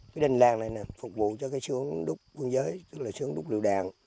cái đình làng này phục vụ cho cái sướng đúc quân giới tức là sướng đúc lựu đạn